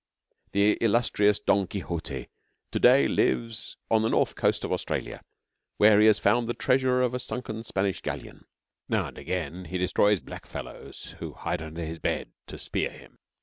The illustrious Don Quixote to day lives on the north coast of Australia where he has found the treasure of a sunken Spanish galleon. Now and again he destroys black fellows who hide under his bed to spear him.